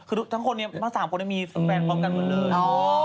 คือทั้งความสามคนมีแฟนความกันเหมือนเลย